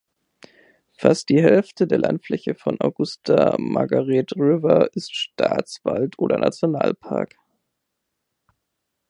Fast die Hälfte der Landfläche von Augusta-Margaret River ist Staatswald oder Nationalpark.